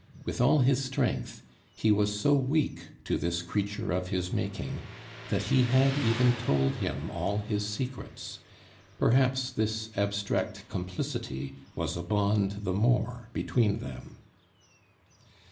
With all his strength, he was so weak to this creature of his making that he had even told him all his secrets. Perhaps this abstract complicity was a bond the more between them.